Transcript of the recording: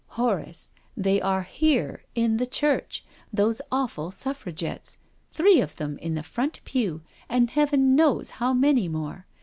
" Horace— they are here— in the church. Those awful Suffragettes. Three of them in the front pew and Heaven knows how many more.